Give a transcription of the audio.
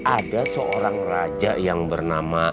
ada seorang raja yang bernama